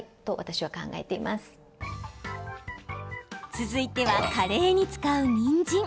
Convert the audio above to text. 続いては、カレーに使うにんじん。